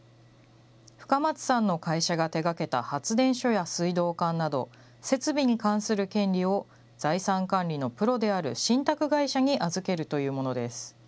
深松さんの会社が手がけた発電所や水道管など、設備に関する権利を、財産管理のプロである信託会社に預けるというものです。